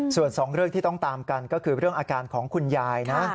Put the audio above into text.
ส่วนสองเรื่องที่ต้องตามกันก็คือเรื่องอาการของคุณยายนะ